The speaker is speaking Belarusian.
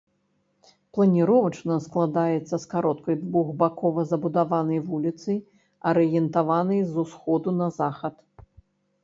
Планіровачна складаецца з кароткай двухбакова забудаванай вуліцы, арыентаванай з усходу на захад.